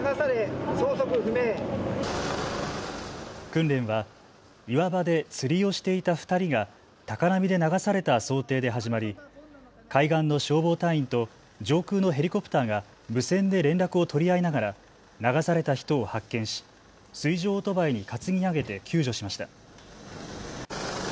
訓練は岩場で釣りをしていた２人が高波で流された想定で始まり、海岸の消防隊員と上空のヘリコプターが無線で連絡を取り合いながら流された人を発見し水上オートバイに担ぎ上げて救助しました。